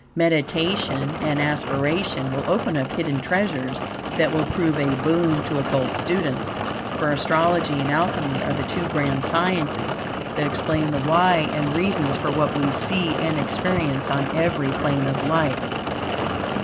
Meditation and aspiration will open up hidden treasures that will prove a boon to Occult students, for Astrology and Alchemy are the two grand sciences that explain the why and reasons for what we see and experience on every plane of life.